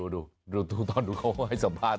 ดูตอนดูเขาให้สัมภาษณ